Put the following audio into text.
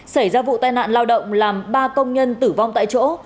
xảy ra vụ tai nạn lao động làm ba công nhân tử vong tại chỗ